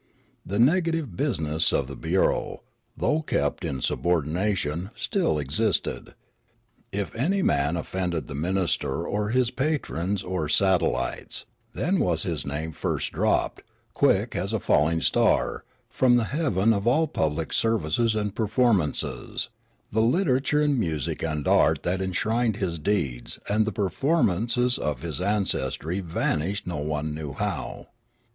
The negative business of the bureau, though kept in subordination, still existed. If an}^ man offended the minister or his patrons or satel lites, then was his name first dropped, " quick as a fall ing star," from the heaven of all public services and performances ; the literature and music and art that enshrined his deeds and the performances of his ances try vanished no one knew how.